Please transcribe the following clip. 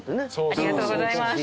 ありがとうございます。